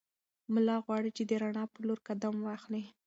ملا غواړي چې د رڼا په لور قدم واخلي.